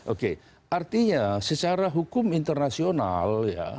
oke artinya secara hukum internasional ya